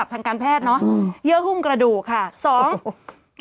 กรมป้องกันแล้วก็บรรเทาสาธารณภัยนะคะ